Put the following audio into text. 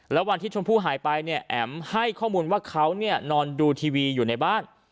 แล้ววันที่ชมพู่หายไปเนี่ยแอ๋มให้ข้อมูลว่าเขาเนี่ยนอนดูทีวีอยู่ในบ้าน